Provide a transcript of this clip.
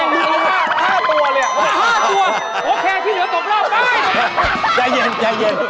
๕ตัวโอเคที่เหลือตกรอบไป